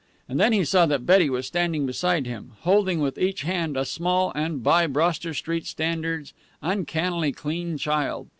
And then he saw that Betty was standing beside him, holding with each hand a small and by Broster Street standards uncannily clean child.